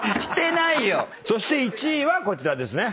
そして１位はこちらですね。